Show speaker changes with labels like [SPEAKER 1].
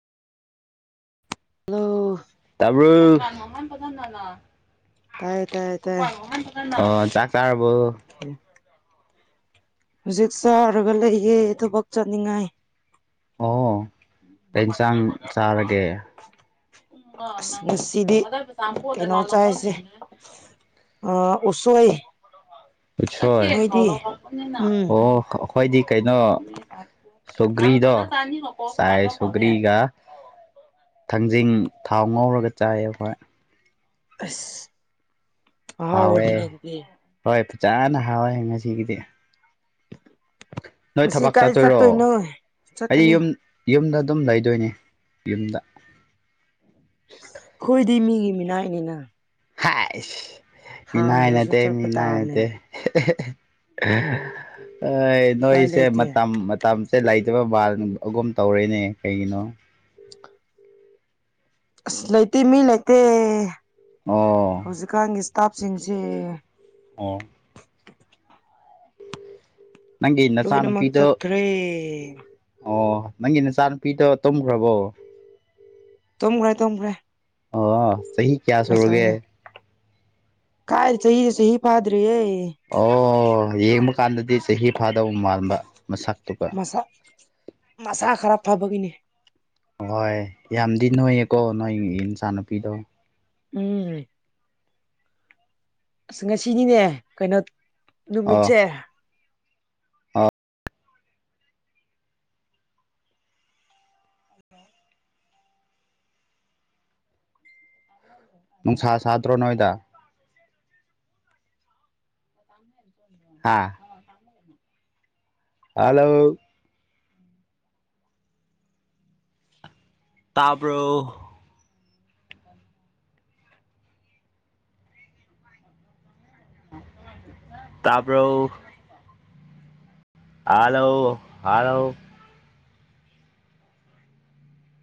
[SPEAKER 1] hello
[SPEAKER 2] ꯇꯥꯕ꯭ꯔꯣ
[SPEAKER 1] ꯇꯥꯏ ꯇꯥꯏ ꯇꯥꯏ
[SPEAKER 2] ꯑꯣ ꯆꯥꯛ ꯆꯥꯔꯕꯣ
[SPEAKER 1] [inaudible] ꯍꯨꯖꯤꯛ ꯆꯥꯔꯒ ꯂꯩꯌꯦ ꯊꯕꯛ ꯆꯠꯅꯤꯡꯉꯥꯏ
[SPEAKER 2] ꯑꯣ ꯀꯩ ꯁꯥꯡ ꯆꯥꯔꯒꯦ
[SPEAKER 1] ꯑꯁ ꯉꯁꯤꯗꯤ
[SPEAKER 2] [unintelligible]
[SPEAKER 1] ꯑꯥ ꯎꯠꯁꯣꯏ
[SPEAKER 2] ꯎꯠꯁꯣꯏ
[SPEAKER 1] ꯎꯝ
[SPEAKER 2] ꯑꯣ ꯍꯣꯏꯗꯤ ꯀꯩꯅꯣ ꯁꯧꯒ꯭ꯔꯤꯗꯣ ꯆꯥꯏ ꯁꯧꯒ꯭ꯔꯤꯒ ꯊꯪꯖꯤꯡ ꯊꯥꯎ ꯉꯧꯔꯒ ꯆꯥꯏ ꯑꯩꯈꯣꯏ
[SPEAKER 1] ꯑꯁ
[SPEAKER 2] ꯍꯥꯎꯋꯦ
[SPEAKER 1] ꯑꯍꯥꯎꯕꯅꯤꯅꯦ ꯑꯗꯨꯗꯤ
[SPEAKER 2] ꯍꯣꯏ ꯐꯥꯖꯅ ꯍꯥꯎꯋꯦ ꯉꯁꯤꯒꯤꯗꯤ ꯅꯣꯏ
[SPEAKER 1] ꯉꯁꯤ
[SPEAKER 2] ꯊꯕꯥꯛ
[SPEAKER 1] ꯀꯥꯏ
[SPEAKER 2] ꯆꯠꯇꯣꯏꯔꯣ
[SPEAKER 1] ꯆꯠꯇꯣꯏꯅꯣ
[SPEAKER 2] ꯑꯩ
[SPEAKER 1] ꯆꯠꯀꯅꯤ
[SPEAKER 2] ꯌꯨꯝ ꯌꯨꯝꯗ ꯑꯗꯨꯝ ꯂꯩꯗꯣꯏꯅꯦ ꯌꯨꯝꯗ
[SPEAKER 1] ꯈꯨꯏꯗꯤ ꯃꯤꯒꯤ ꯃꯤꯅꯥꯏꯅꯤꯅ
[SPEAKER 2] ꯍꯥꯏꯁ ꯃꯤꯅꯥꯏ
[SPEAKER 1] ꯍꯥꯡꯗ꯭ꯔꯁꯨ
[SPEAKER 2] ꯅꯠꯇꯦ
[SPEAKER 1] ꯆꯠꯄ
[SPEAKER 2] ꯃꯤꯅꯥꯏ ꯅꯠꯇꯦ
[SPEAKER 1] ꯇꯥꯕꯅꯤꯅ
[SPEAKER 2] [unintelligible] ꯑꯥꯏ
[SPEAKER 1] ꯎꯄꯥꯏ
[SPEAKER 2] ꯅꯣꯏꯁꯦ
[SPEAKER 1] ꯂꯩꯇꯦ
[SPEAKER 2] ꯃꯇꯝ ꯃꯠ ꯇꯝꯁꯦ ꯂꯩꯇꯕ ꯕꯥꯜ ꯑꯒꯨꯝ ꯇꯧꯔꯦꯅꯦ ꯀꯩꯒꯤꯅꯣ
[SPEAKER 1] ꯑꯁ ꯂꯩꯇꯦ ꯃꯤ ꯂꯩꯇꯦ
[SPEAKER 2] ꯑꯣ
[SPEAKER 1] ꯍꯧꯖꯤꯛꯀꯥꯟꯒꯤ ꯏꯁꯇꯥꯞꯁꯤꯡꯁꯦ
[SPEAKER 2] ꯑꯣ ꯅꯪꯒꯤ
[SPEAKER 1] ꯂꯣꯏꯅꯃꯛ
[SPEAKER 2] ꯅꯆꯥꯅꯨꯄꯤꯗꯣ
[SPEAKER 1] ꯆꯠꯈ꯭ꯔꯦ
[SPEAKER 2] ꯑꯣ ꯅꯪꯒꯤ ꯅꯆꯥꯅꯨꯄꯤꯗꯣ ꯇꯨꯝꯈ꯭ꯔꯕꯣ
[SPEAKER 1] ꯇꯨꯝꯈ꯭ꯔꯦ ꯇꯨꯝꯈ꯭ꯔꯦ
[SPEAKER 2] ꯑꯣ ꯆꯍꯤ ꯀꯌꯥ ꯁꯨꯔꯒꯦ
[SPEAKER 1] ꯉꯁꯥꯏꯅꯦ ꯀꯥꯏ ꯆꯍꯤ ꯆꯍꯤ ꯐꯥꯗ꯭ꯔꯤꯌꯦ
[SPEAKER 2] ꯑꯣ ꯌꯦꯡꯕ ꯀꯥꯟꯗꯗꯤ ꯆꯍꯤ ꯐꯥꯗꯧ ꯃꯥꯟꯕ ꯃꯁꯛꯇꯨꯒ
[SPEAKER 1] ꯃꯁꯥ ꯃꯁꯥ ꯈꯔ ꯐꯕꯒꯤꯅꯦ
[SPEAKER 2] ꯍꯣꯏ ꯌꯥꯝꯗꯤ ꯅꯣꯏꯌꯦꯀꯣ ꯅꯣꯏ ꯅꯆꯥꯅꯨꯄꯤꯗꯣ
[SPEAKER 1] ꯎꯝ ꯑꯁ ꯉꯁꯤꯅꯤꯅꯦ ꯀꯩꯅꯣ
[SPEAKER 2] ꯑꯣ
[SPEAKER 1] ꯅꯨꯃꯤꯠꯁꯦ
[SPEAKER 2] ꯑꯣ ꯅꯨꯡꯁꯥ ꯁꯥꯗ꯭ꯔꯣ ꯅꯣꯏꯗ ꯍꯥ ꯍꯥꯂꯣ ꯇꯥꯕ꯭ꯔꯣ ꯇꯥꯕ꯭ꯔꯣ ꯍꯥꯂꯣ ꯍꯥꯂꯣ